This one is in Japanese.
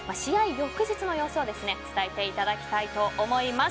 翌日の様子を伝えていただきたいと思います。